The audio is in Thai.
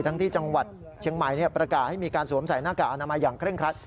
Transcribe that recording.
ที่จังหวัดเชียงใหม่ประกาศให้มีการสวมใส่หน้ากากอนามัยอย่างเคร่งครัด